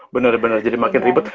bener bener jadi makin ribet